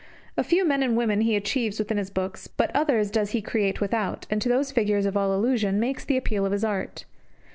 A few men and women he achieves within his books; but others does he create without, and to those figures of all illusion makes the appeal of his art.